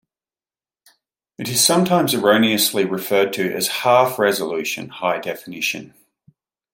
It is sometimes erroneously referred to as "Half"-Resolution High-Definition.